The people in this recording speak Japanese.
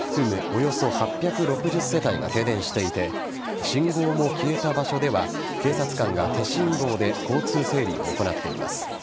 およそ８６０世帯が停電していて信号も消えた場所では警察官が手信号で交通整理を行っています。